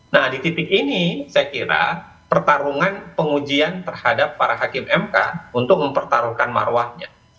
nah di titik ini saya kira pertarungan pengujian terhadap para hakim mk untuk mempertaruhkan marwahnya